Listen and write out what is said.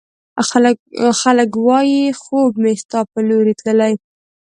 خلګ وايي، خوب مې ستا په لورې تللی